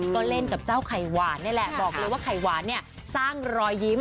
ก็เล่นกับเจ้าไข่หวานนี่แหละบอกเลยว่าไข่หวานเนี่ยสร้างรอยยิ้ม